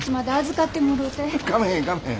かめへんかめへん。